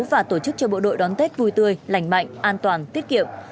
và tổ chức cho bộ đội đón tết vui tươi lành mạnh an toàn tiết kiệm